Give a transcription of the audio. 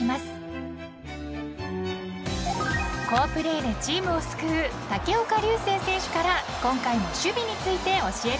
［好プレーでチームを救う武岡龍世選手から今回も守備について教えてもらいます］